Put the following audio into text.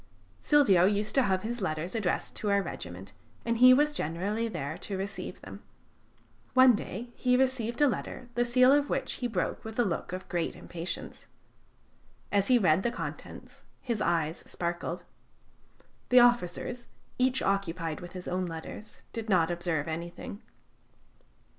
Silvio used to have his letters addressed to our regiment, and he was generally there to receive them. One day he received a letter, the seal of which he broke with a look of great impatience. As he read the contents, his eyes sparkled. The officers, each occupied with his own letters, did not observe anything.